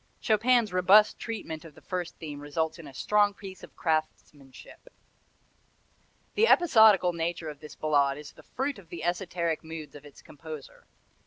Chopin's robust treatment of the first theme results in a strong piece of craftmanship. The episodical nature of this Ballade is the fruit of the esoteric moods of its composer.